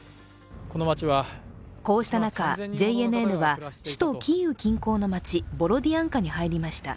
こうした中、ＪＮＮは首都キーウ近郊の街、ボロディアンカに入りました。